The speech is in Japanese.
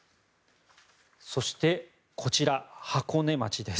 そして、こちら箱根町です。